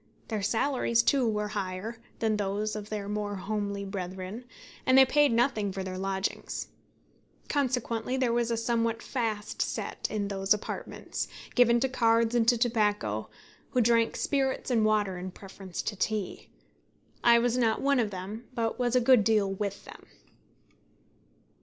Their salaries, too, were higher than those of their more homely brethren; and they paid nothing for their lodgings. Consequently there was a somewhat fast set in those apartments, given to cards and to tobacco, who drank spirits and water in preference to tea. I was not one of them, but was a good deal with them.